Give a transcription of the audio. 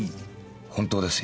本当ですよ。